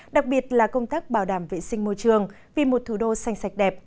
đặc biệt là công tác bảo đảm vệ sinh môi trường vì một thủ đô xanh sạch đẹp